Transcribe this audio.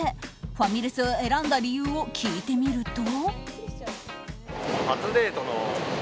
ファミレスを選んだ理由を聞いてみると。